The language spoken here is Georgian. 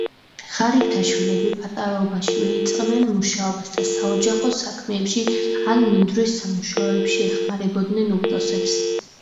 ღარიბთა შვილები პატარაობაშივე იწყებდნენ მუშაობას და საოჯახო საქმეებში ან მინდვრის სამუშაოებში ეხმარებოდნენ უფროსებს.